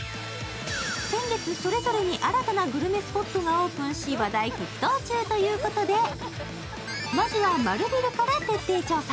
先月、それぞれに新たなグルメスポットがオープンし、話題沸騰中ということで、まずは、丸ビルから徹底調査